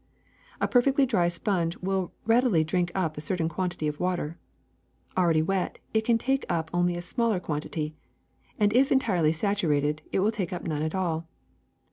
*^A perfectly dry sponge readily drinks up a cer tain quantity of water; already wet, it can take up only a smaller quantity; and if entirely saturated, it will take up none at all.